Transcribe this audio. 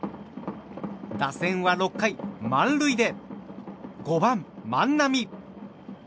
打線は６回、満塁で５番、万波。